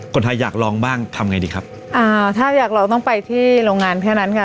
คนไทยอยากลองบ้างทำไงดีครับอ่าถ้าอยากลองต้องไปที่โรงงานแค่นั้นค่ะ